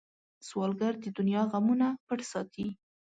سوالګر د دنیا غمونه پټ ساتي